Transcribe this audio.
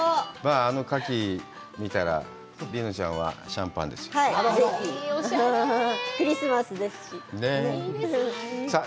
あのカキ見たら、梨乃ちゃんはシャンパンですよね。